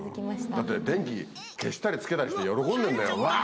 だって電気、消したりつけたりして喜んでんだよ。